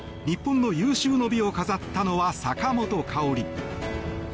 日本の有終の美を飾ったのは坂本花織。